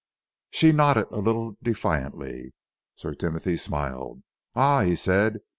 She nodded a little defiantly. Sir Timothy smiled. "Ah!" he said.